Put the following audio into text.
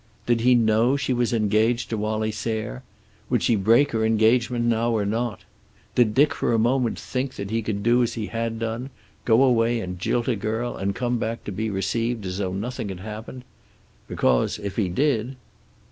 Did he know she was engaged to Wallie Sayre? Would she break her engagement now or not? Did Dick for a moment think that he could do as he had done, go away and jilt a girl, and come back to be received as though nothing had happened? Because, if he did...